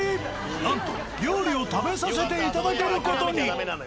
なんと料理を食べさせていただける事に。